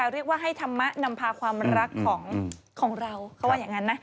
เรียกว่าให้ธรรมะนำพาความรักของเรา